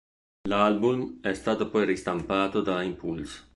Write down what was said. L'album è poi stato ristampato dalla Impulse!